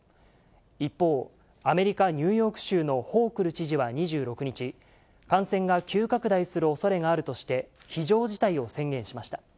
一方、アメリカ・ニューヨーク州のホークル知事は２６日、感染が急拡大するおそれがあるとして、非常事態を宣言しました。